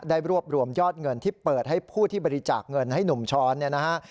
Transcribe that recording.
ได้รวบรวมยอดเงินที่เปิดให้ผู้ที่บริจาคเงินให้หนุ่มช้อนเนี่ยนะฮะ